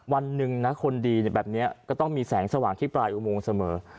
วันหนึ่งนะคนดีแบบนี้ก็ต้องมีแสงสว่างที่ปลายอุโมงเสมอ